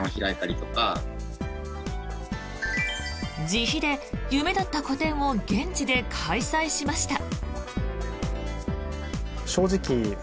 自費で、夢だった個展を現地で開催しました。